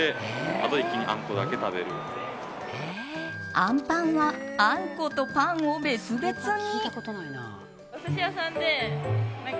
あんパンはあんことパンを別々に。